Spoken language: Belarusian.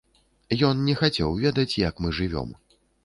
Ён не хацеў ведаць, як мы жывём.